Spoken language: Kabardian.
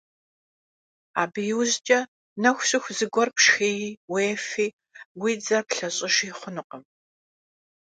Абы и ужькӀэ нэху щыху зыгуэр пшхыи, уефи, уи дзэр плъэщӀыжи хъунукъым.